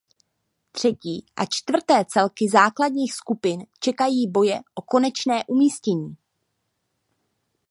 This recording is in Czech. Třetí a čtvrté celky základních skupin čekají boje o konečné umístění.